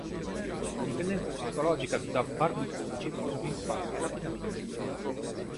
La dipendenza psicologica da barbiturici può svilupparsi rapidamente.